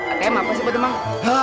atm apa sih bete emang